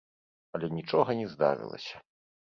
Але нічога не здарылася.